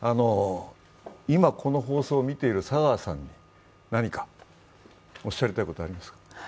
今、この放送を見ている佐川さんに何かおっしゃりたいことはありますか？